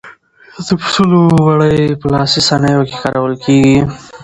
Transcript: د پسونو وړۍ په لاسي صنایعو کې کارول کېږي.